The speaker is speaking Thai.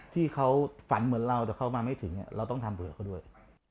ที่เขาฝันเหมือนเราแต่เขามาไม่ถึงเราต้องทำเบื่อเขาด้วย